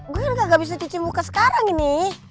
gue kan gak bisa cuci muka sekarang ini